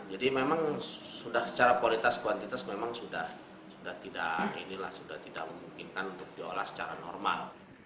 memang sudah secara kualitas kuantitas memang sudah tidak memungkinkan untuk diolah secara normal